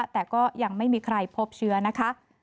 แต่ก็ยังไม่มีใครพบเชื้อนะคะ